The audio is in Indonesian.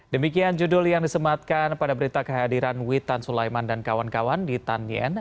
demikian judul yang disematkan pada berita kehadiran witan sulaiman dan kawan kawan di tan yn